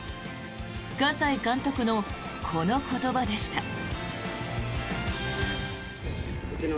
葛西監督のこの言葉でした。